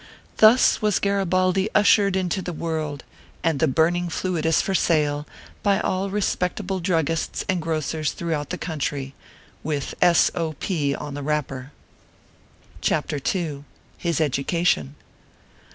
Thus was Garibaldi ushered into the world ; and the burning fluid is for sale by all respectable drug gists and grocers throughout the country, with S. 0. P. on the wrapper. CHAPTER II. HIS EDUCATION.